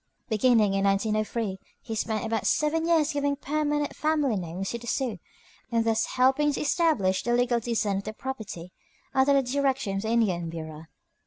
Beginning in 1903, he spent about seven years giving permanent family names to the Sioux, and thus helping to establish the legal descent of their property, under the direction of the Indian Bureau.